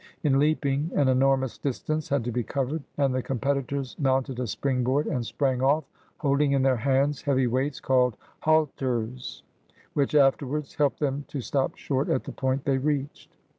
In leaping, an enormous distance had to be covered, and the competitors mounted a spring board and sprang off, holding in their hands heavy weights called haUeres, which afterwards helped them to stop short at the point they reached.